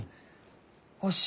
よし。